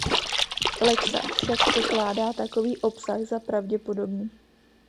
Lexa však pokládá takový obsah za pravděpodobný.